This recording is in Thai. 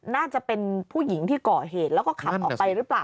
น่าจะเป็นผู้หญิงที่ก่อเหตุแล้วก็ขับออกไปหรือเปล่า